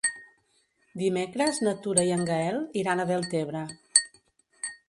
Dimecres na Tura i en Gaël iran a Deltebre.